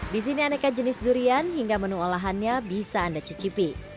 di sini aneka jenis durian hingga menu olahannya bisa anda cicipi